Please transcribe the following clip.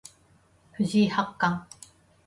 藤井八冠